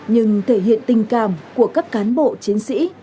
nhưng thể hiện tình cảm của các cán bộ chiến sĩ